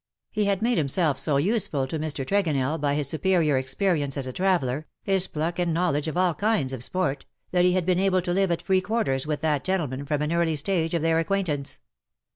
32 He liad made himself so useful to Mr. Tregonell by his superior experience as a traveller^ his pluck and knowledge of all kinds of sport, that he had been able to live at free quarters with that gentleman from an early stage of their acquaintance.